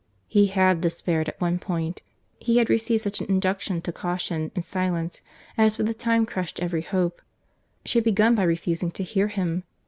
He had despaired at one period; he had received such an injunction to caution and silence, as for the time crushed every hope;—she had begun by refusing to hear him.